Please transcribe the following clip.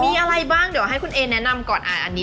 มีอะไรบ้างเดี๋ยวให้คุณเอแนะนำก่อนอ่านอันนี้